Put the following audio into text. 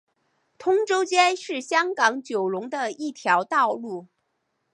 通州街是香港九龙的一条道路。